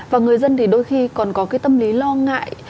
và người dân thì đôi khi còn có cái tâm lý lo ngại